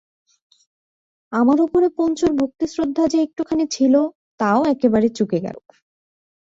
আমার উপরে পঞ্চুর ভক্তিশ্রদ্ধা যে একটুখানি ছিল তাও এবার চুকে গেল।